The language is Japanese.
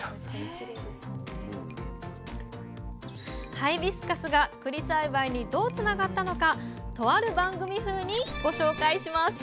ハイビスカスがくり栽培にどうつながったのかとある番組風にご紹介します。